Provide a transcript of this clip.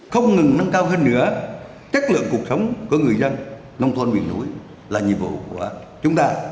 không ngừng nâng cao hơn nữa chất lượng cuộc sống của người dân nông thôn miền núi là nhiệm vụ của chúng ta